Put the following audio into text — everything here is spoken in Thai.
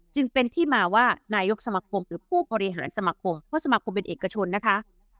จึงเป็นที่มาว่านายกสมาคมหรือผู้บริหารสมาคมเพราะสมาคมเป็นเอกชนนะคะ